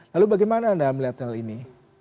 lalu bagaimana anda melihat hal ini